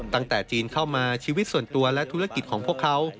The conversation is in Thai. ตั้งแต่จีนเข้ามาชีวิตส่วนตัวและธุรกิจของพวกเขา